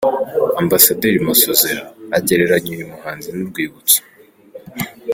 Ambasaderi Masozera agereranya uyu muhanzi n’urwibutso.